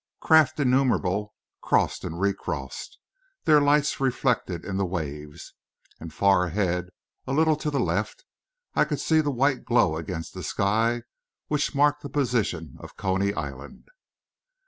Craft innumerable crossed and re crossed, their lights reflected in the waves, and far ahead, a little to the left, I could see the white glow against the sky which marked the position of Coney Island.